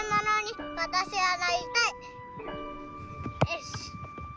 よし！